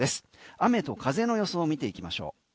雨と風の予想を見ていきましょう。